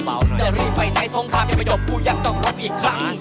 จะรีบไปในสงครามยังไม่หยบกูยังต้องรบอีกครั้ง